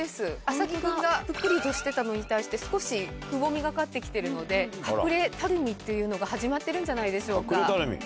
麻木君がぷっくりとしてたのに対して少しくぼみがかって来てるので隠れたるみっていうのが始まってるんじゃないでしょうか。